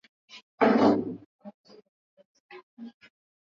Kukabiliana na ugonjwa wa ukurutu epuka kuchanganya wanyama maeneo ya kunywea maji